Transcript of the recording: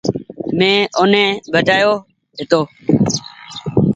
مين اوني بچآيو هيتو۔